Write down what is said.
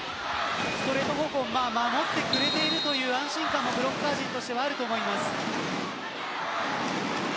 ストレート方向を守ってくれているという安心かもブロッカー陣としてはあると思います。